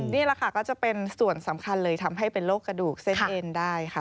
นี่แหละค่ะก็จะเป็นส่วนสำคัญเลยทำให้เป็นโรคกระดูกเส้นเอ็นได้ค่ะ